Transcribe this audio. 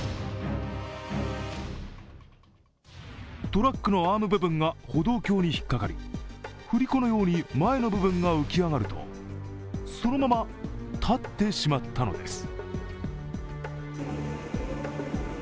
トラックのアーム部分が歩道橋に引っかかり振り子のように前の部分が浮き上がると、そのまま立ってしまったのです。